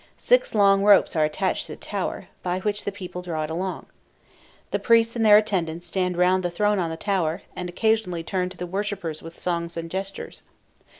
Six long ropes are attached to the tower, by which the people draw it along. The priests and their attendants stand round the throne on the tower, and occasionally turn to the worshippers with songs and gestures.